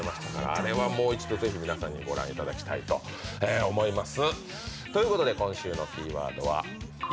あれはもう一度、ぜひ皆さんにご覧いただきたいと思います。